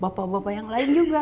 bapak bapak yang lain juga